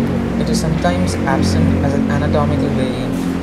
It is sometimes absent, as an anatomical variant.